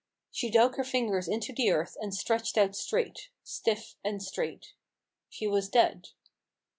She dug her fingers into the earth, and stretched out straight — stiff and straight. She was dead.